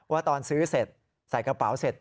ว่าตอนซื้อเสร็จใส่กระเป๋าเสร็จ